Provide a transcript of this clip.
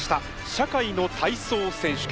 社会の体操選手権。